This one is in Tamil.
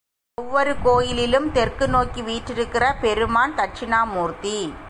ஒவ்வொரு கோயிலிலும் தெற்கு நோக்கி வீற்றிருக்கிற பெருமான் தட்சிணாமூர்த்தி.